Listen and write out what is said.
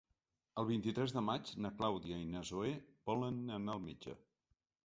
El vint-i-tres de maig na Clàudia i na Zoè volen anar al metge.